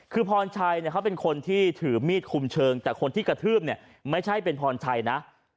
คือพรชัยเขาเป็นคนที่ถือมีดคุมเชิงแต่คนที่กระทืบเนี่ยไม่ใช่เป็นพรชัยนะ